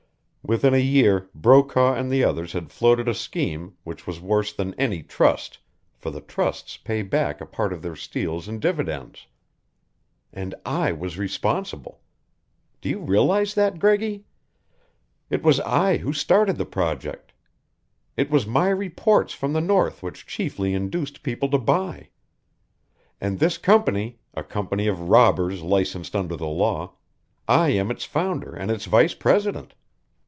Within a year Brokaw and the others had floated a scheme which was worse than any trust, for the trusts pay back a part of their steals in dividends. And I was responsible! Do you realize that, Greggy? It was I who started the project. It was my reports from the north which chiefly induced people to buy. And this company a company of robbers licensed under the law I am its founder and its vice president!"